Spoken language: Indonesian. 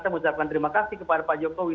saya mengucapkan terima kasih kepada pak jokowi